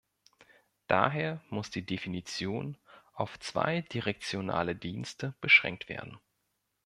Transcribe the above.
Daher muss die Definition auf zweidirektionale Dienste beschränkt werden.